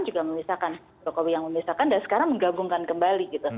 juga memisahkan jokowi yang memisahkan dan sekarang menggabungkan kembali gitu